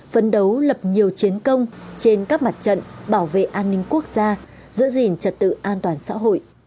phấn đấu lập nhiều chiến công trên các mặt trận bảo vệ an ninh quốc gia giữ gìn trật tự an toàn xã hội